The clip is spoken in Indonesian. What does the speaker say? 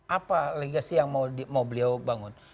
apa legasi yang mau beliau bangun